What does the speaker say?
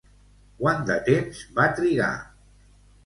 Quant de temps va trigar?